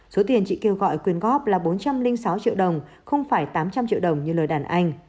số tiền chị kêu gọi quyên góp là bốn trăm linh sáu triệu đồng không phải tám trăm linh triệu đồng như lời đàn anh